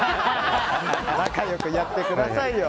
仲良くやってくださいよ。